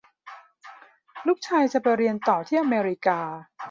ลูกชายจะไปเรียนต่อที่อเมริกา